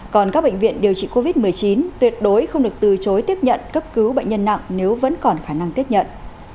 còn các bệnh viện điều trị covid một mươi chín tuyệt đối không được từ chối tiếp nhận cấp cứu bệnh nhân nặng nếu vẫn còn khả năng tiếp nhận